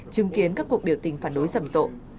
chứng kiến các cuộc biểu tình phản đối rầm rộ